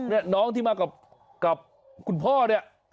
นี่น้องที่มากับคุณพ่อเนี่ย